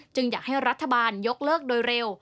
อยากให้รัฐบาลยกเลิกโดยเร็ว